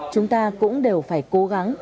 chúng ta cũng đều phải cố gắng